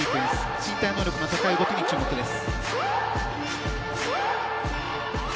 身体能力の高い動きに注目です。